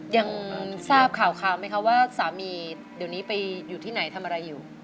ยังทราบข่าวไหมคะว่าสามีเดี๋ยวนี้ไปอยู่ที่ไหนทำอะไรอยู่